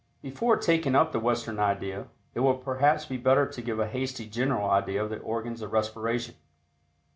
Before taking up the Western idea, it will perhaps be better to give a hasty general idea of the Organs of Respiration.